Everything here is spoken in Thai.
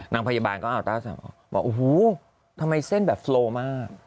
นางพยาบาลก็อัลต้าสาวบอกโอ้โหทำไมเส้นแบบโลมาก